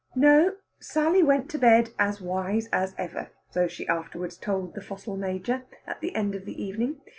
No; Sally went to bed as wise as ever so she afterwards told the fossil Major at the end of the evening.